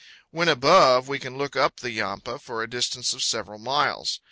When above, we can look up the Yampa for a distance of several miles.